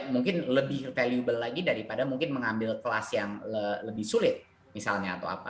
mungkin lebih valuable lagi daripada mungkin mengambil kelas yang lebih sulit misalnya atau apa